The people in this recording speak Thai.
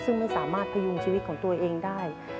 ซึ่งไม่สามารถพยุงชีวิตของตัวเองได้